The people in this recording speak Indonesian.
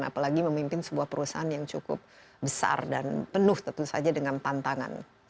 apalagi memimpin sebuah perusahaan yang cukup besar dan penuh tentu saja dengan tantangan